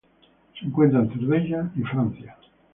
Se encuentra en Cerdeña y Francia.